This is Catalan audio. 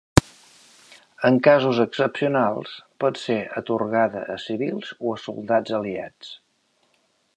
En casos excepcionals, pot ser atorgada a civils o a soldats aliats.